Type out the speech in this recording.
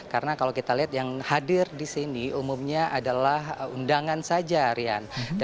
karena kalau kita lihat yang hadir di sini umumnya adalah undangan saja rian